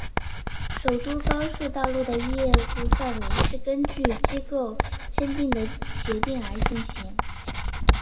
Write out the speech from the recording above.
首都高速道路的业务范围是根据与机构签订的协定而进行。